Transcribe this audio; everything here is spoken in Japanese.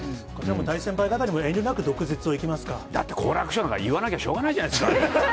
大先輩方にも遠慮なく毒舌をだって、好楽師匠なんか、言わなきゃしょうがないじゃないですか、あれ。